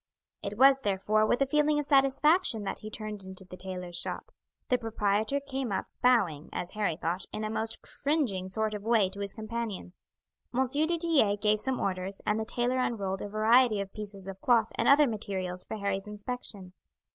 It was, therefore, with a feeling of satisfaction that he turned into the tailor's shop. The proprietor came up bowing, as Harry thought, in a most cringing sort of way to his companion. M. du Tillet gave some orders, and the tailor unrolled a variety of pieces of cloth and other materials for Harry's inspection.